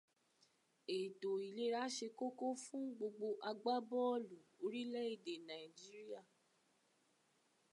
Ètò iléra ṣe kókó fún gbogbo agbábọ̀ọ̀lù orílẹ̀ èdè Nàìjíríà.